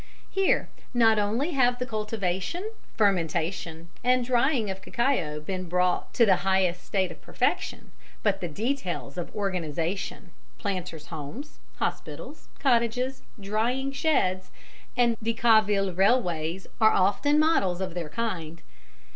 ] Here, not only have the cultivation, fermentation and drying of cacao been brought to the highest state of perfection, but the details of organisation planters' homes, hospitals, cottages, drying sheds and the Decauville railways are often models of their kind.